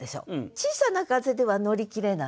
小さな風では乗り切れない。